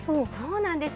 そうなんです。